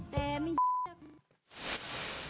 แต่มีหวี